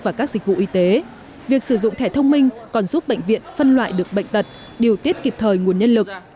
và các dịch vụ y tế việc sử dụng thẻ thông minh còn giúp bệnh viện phân loại được bệnh tật điều tiết kịp thời nguồn nhân lực